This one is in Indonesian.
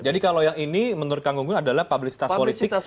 jadi kalau yang ini menurut kang unggun adalah publisitas politik